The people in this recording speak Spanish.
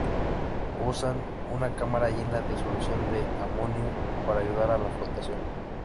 Usan una cámara llena de solución de amonio para ayudar a la flotación.